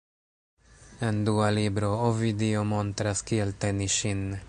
En dua libro, Ovidio montras kiel teni ŝin.